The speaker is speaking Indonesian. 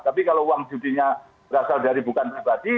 tapi kalau uang cutinya berasal dari bukan pribadi